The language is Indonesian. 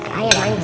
pakai ayam aja